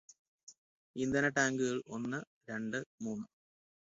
ഇന്ധന ടാങ്കുകൾ ഒന്നു രണ്ട് മൂന്ന്